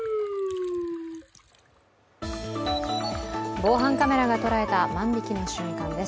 防犯カメラが捉えた万引きの瞬間です。